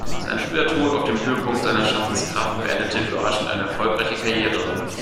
Sein früher Tod auf dem Höhepunkt seiner Schaffenskraft beendete überraschend eine erfolgreiche Karriere.